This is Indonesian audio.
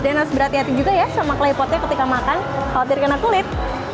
dan harus berhati hati juga ya sama claypotnya ketika makan khawatir kena kulit